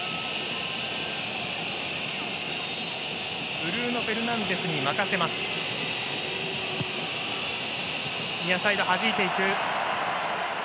ブルーノ・フェルナンデスに任せました。